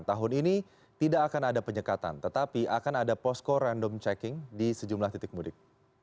tahun ini tidak akan ada penyekatan tetapi akan ada posko random checking di sejumlah titik mudik